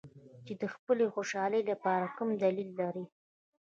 چې د خپلې خوشحالۍ لپاره کم دلیل لري.